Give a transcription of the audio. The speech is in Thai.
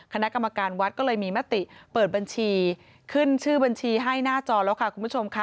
คณะกรรมการวัดก็เลยมีมติเปิดบัญชีขึ้นชื่อบัญชีให้หน้าจอแล้วค่ะคุณผู้ชมค่ะ